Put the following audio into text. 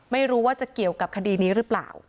ไม่รู้ว่าจะเกี่ยวกับคดีนี้หรือเปล่า